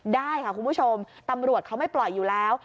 ได้ค่ะคุณผู้ชมตำรวจเขาไม่ปล่อยอยู่แล้ว